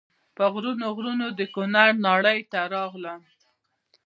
په غرونو غرونو د کونړ ناړۍ ته راغلم.